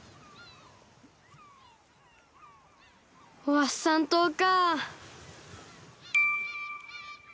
ワッサンとうか。